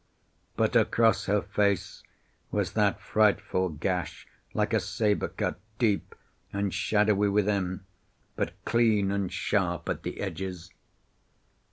But across her face was that frightful gash, like a sabre cut, deep and shadowy within, but clean and sharp at the edges.